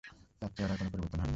তার চেহারার কোনো পরিবর্তন হয় নি।